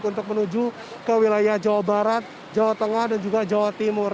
untuk menuju ke wilayah jawa barat jawa tengah dan juga jawa timur